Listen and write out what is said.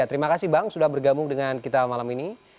terima kasih bang sudah bergabung dengan kita malam ini